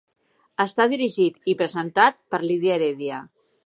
Està dirigit i presentat per Lídia Heredia.